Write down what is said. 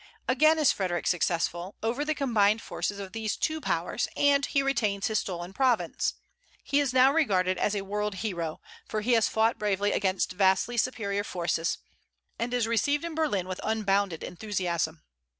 Again is Frederic successful, over the combined forces of these two powers, and he retains his stolen province. He is now regarded as a world hero, for he has fought bravely against vastly superior forces, and is received in Berlin with unbounded enthusiasm.